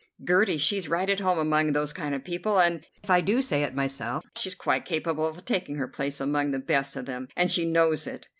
Gertie, she's right at home among those kind of people, and, if I do say it myself, she's quite capable of taking her place among the best of them, and she knows it.